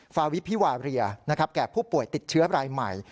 ฟาวิพิวาเรียแก่ผู้ป่วยติดเชื้อรายใหม่